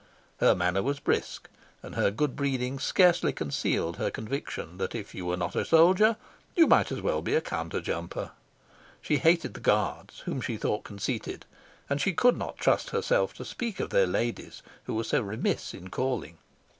Her manner was brisk, and her good breeding scarcely concealed her conviction that if you were not a soldier you might as well be a counter jumper. She hated the Guards, whom she thought conceited, and she could not trust herself to speak of their ladies, who were so remiss in calling.